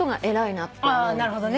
なるほどね。